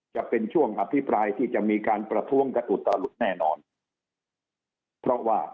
จะเป็นช่วงอภิปรายที่จะมีการประท้วงกันอุตลุดแน่นอนเพราะว่า